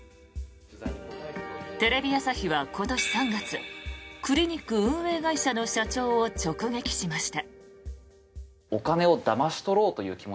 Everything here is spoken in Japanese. テレビ朝日は今年３月クリニック運営会社の社長を直撃しました。